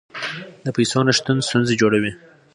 د پیسو نشتون ستونزې جوړوي.